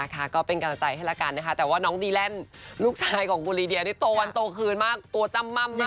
นะคะก็เป็นกำลังใจให้ละกันนะคะแต่ว่าน้องดีแหล่นลูกชายของกูลีเดียนี่โตวันโตขึ้นมากตัวจ้ำม่ำมากเลยนะคะ